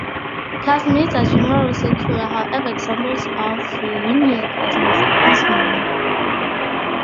Plasmids are generally circular, however examples of linear plasmids are also known.